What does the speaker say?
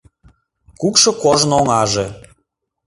Кукшо кожын оҥаже